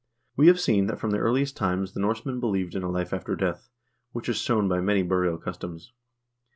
We have seen that from the earliest times the Norsemen believed in a life after death, which is shown by many burial customs.